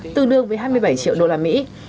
tương đương với hai mươi bảy triệu đô la mỹ